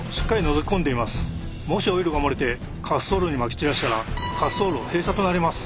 もしオイルが漏れて滑走路にまき散らしたら滑走路閉鎖となります。